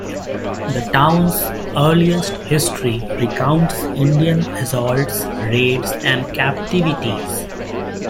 The town's earliest history recounts Indian assaults, raids and captivities.